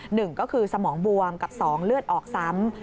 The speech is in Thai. หนึ่งก็คือสมองบวมกับสองเลือดออกซ้ำ